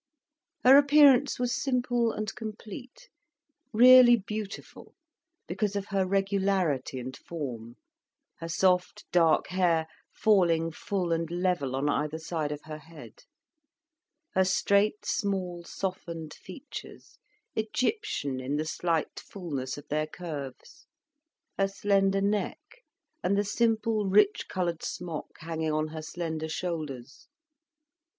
Her appearance was simple and complete, really beautiful, because of her regularity and form, her soft dark hair falling full and level on either side of her head, her straight, small, softened features, Egyptian in the slight fulness of their curves, her slender neck and the simple, rich coloured smock hanging on her slender shoulders.